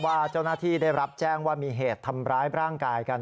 ว่าเจ้าหน้าที่ได้รับแจ้งว่ามีเหตุทำร้ายร่างกายกัน